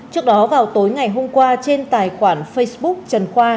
trước đó vào tối ngày hôm qua trên tài khoản facebook trần khoa